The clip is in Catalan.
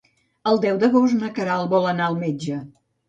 El deu d'agost na Queralt vol anar al metge.